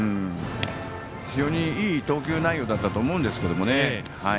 非常にいい投球内容だったと思うんですけどもね。